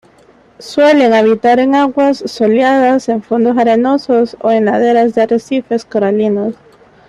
Suelen habitar en aguas soleadas, en fondos arenosos o laderas de arrecifes coralinos.